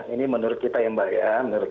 ini menurut kita yang bayang